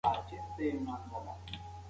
د پوهې تبادله خفګان له منځه وړي.